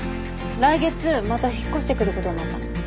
来月また引っ越してくることになったの。